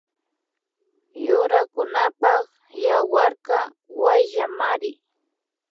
Yurakunapak yawarkaka wayllamari